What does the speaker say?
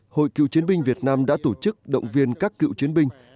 hội cựu chiến binh việt nam đã tổ chức động viên các cựu chiến binh